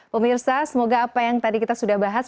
pemirsa semoga apa yang tadi kita sudah bahas